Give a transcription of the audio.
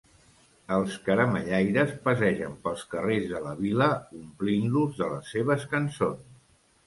Els caramellaires passegen pels carrers de la vila omplint-los de les seves cançons.